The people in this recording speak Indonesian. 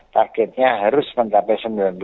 targetnya harus mencapai sembilan puluh lima